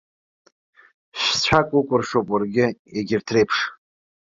Шә-цәак укәыршоуп уаргьы, егьырҭ реиԥш!